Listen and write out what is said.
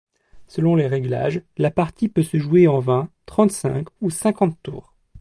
Selon les réglages, la partie peut se jouer en vingt, trente-cinq, ou cinquante tours.